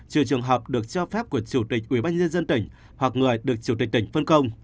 trừ trường hợp được cho phép của chủ tịch ubnd tỉnh hoặc người được chủ tịch tỉnh phân công